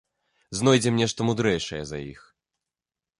Знойдзем нешта мудрэйшае за іх.